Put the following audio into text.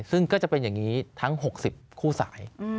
ซึ่งก็จะเป็นอย่างนี้ทั้ง๖๐คู่สาย